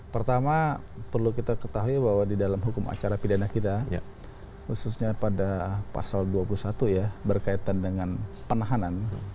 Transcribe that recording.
pertama perlu kita ketahui bahwa di dalam hukum acara pidana kita khususnya pada pasal dua puluh satu ya berkaitan dengan penahanan